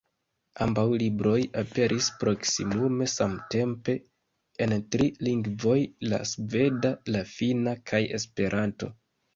Ambaŭ libroj aperis proksimume samtempe en tri lingvoj, la sveda, la finna kaj Esperanto.